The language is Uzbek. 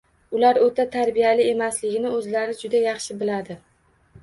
Ular oʻta tarbiyali emasligini oʻzlari juda yaxshi biladi.